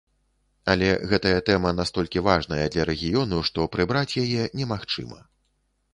Але гэтая тэма настолькі важная для рэгіёну, што прыбраць яе немагчыма.